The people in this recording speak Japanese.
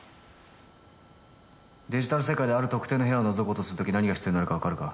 デジタル世界である特定の部屋をのぞこうとする時何が必要になるかわかるか？